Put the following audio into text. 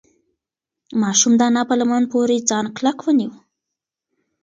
ماشوم د انا په لمن پورې ځان کلک ونیو.